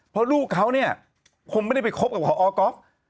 เพราะลูกเขาเนี่ยคงไม่ได้ไปคบกับพอก๊อฟ